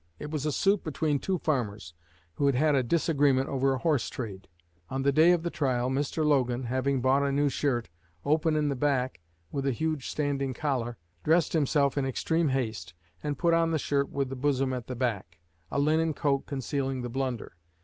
It was a suit between two farmers who had had a disagreement over a horse trade. On the day of the trial, Mr. Logan, having bought a new shirt, open in the back, with a huge standing collar, dressed himself in extreme haste, and put on the shirt with the bosom at the back, a linen coat concealing the blunder.